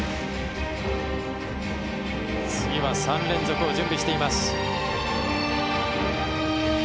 次は３連続を準備しています。